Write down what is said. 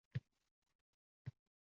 Bu xuddi